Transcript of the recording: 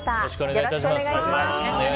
よろしくお願いします。